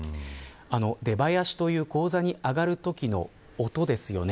出囃子という高座に上がるときの音ですよね。